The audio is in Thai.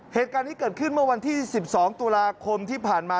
เหตุการณ์นี้เกิดขึ้นเมื่อวันที่๑๒ตุลาคมที่ผ่านมา